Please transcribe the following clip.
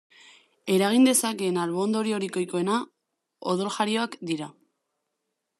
Eragin dezakeen albo-ondoriorik ohikoena odoljarioak dira.